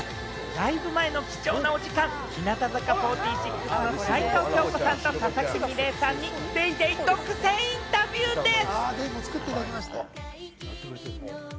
ライブ前の貴重なお時間、日向坂４６の齊藤京子さんと佐々木美玲さんに『ＤａｙＤａｙ．』独占インタビューです。